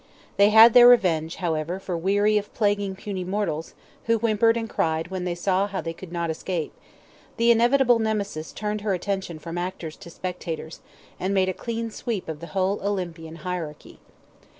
They had their revenge, however, for weary of plaguing puny mortals, who whimpered and cried when they saw they could not escape, the inevitable Nemesis turned her attention from actors to spectators, and made a clean sweep of the whole Olympian hierarchy.